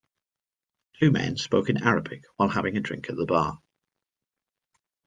Two men spoke in Arabic while having a drink at the bar.